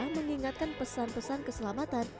mengingatkan pesan pesan keselamatan